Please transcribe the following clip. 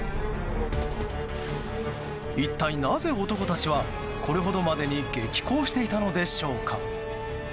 一体なぜ男たちはこれほどまでに激高していたのでしょうか？